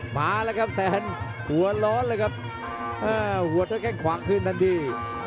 มาแล้วครับแสนหัวร้อนเลยครับหัวด้วยแข้งขวาคืนทันที